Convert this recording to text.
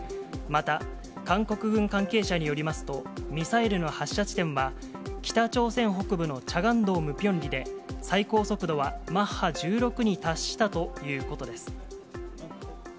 また韓国軍関係者によりますと、ミサイルの発射地点は、北朝鮮北部のチャガン道ムビョン里で最高速度はマッハ１６に達したということです。